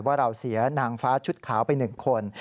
ว่าเราเสียนางฟ้าชุดขาวไป๑คน